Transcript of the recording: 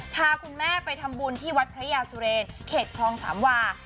พาคุณแม่ไปทำบุญที่วัดพระยาสุเรนเขตคลองสามวา